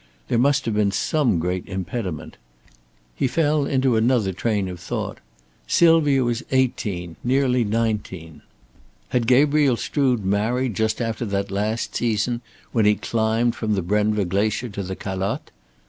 There must have been some great impediment. He fell into another train of thought. Sylvia was eighteen, nearly nineteen. Had Gabriel Strood married just after that last season when he climbed from the Brenva Glacier to the Calotte.